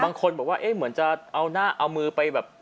บางคนบอกว่าเหมือนจะเอามือไปแบบ